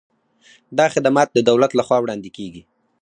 دا خدمات د دولت له خوا وړاندې کیږي.